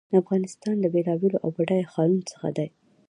افغانستان له بېلابېلو او بډایه ښارونو څخه ډک دی.